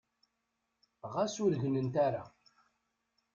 Ɣas ur gtent ara.